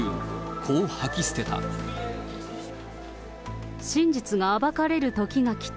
こう吐き捨てた。